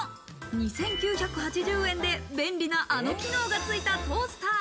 ２９８０円で便利なあの機能がついたトースター。